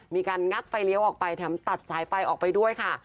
งัดไฟเลี้ยวออกไปแถมตัดสายไฟออกไปด้วยค่ะ